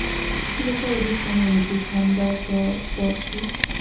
له تا وروسته مې وجود سم درداباد شو